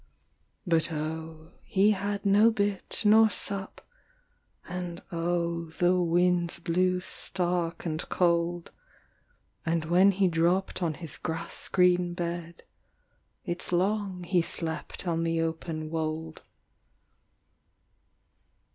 But oh, he had no bit nor sup, And oh, the winds blew stark and cold, And when he dropped on his grass green bed It s long he slept on the open wold.